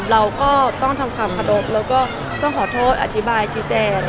เราก็ต้องทำความเคารพแล้วก็ต้องขอโทษอธิบายชี้แจง